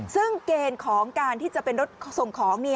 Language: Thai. ซึ่งเกณฑ์ของการที่จะเป็นรถส่งของ